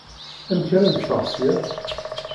Amek ara neffeɣ seg-a?